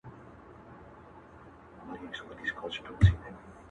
سړي راوستی ښکاري تر خپله کوره-